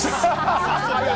早速。